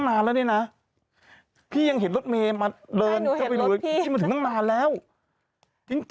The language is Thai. วันนี้พี่หนูขับรถมาเอง